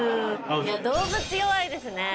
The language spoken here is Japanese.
いや、動物、弱いですねぇ。